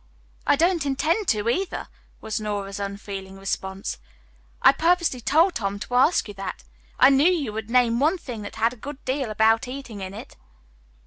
"I don't intend to, either," was Nora's unfeeling response. "I purposely told Tom to ask you that. I knew you'd name one that had a good deal about eating in it."